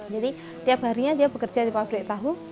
jadi tiap harinya dia bekerja di pabrik tahu